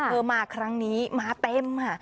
มาครั้งนี้มาเต็มค่ะ